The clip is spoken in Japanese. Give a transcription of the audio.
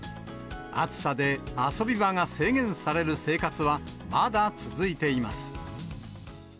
暑さで遊び場が制限される生活はまだ続いています。